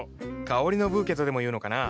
香りのブーケとでも言うのかな。